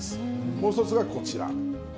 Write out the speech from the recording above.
もう１つがこちら。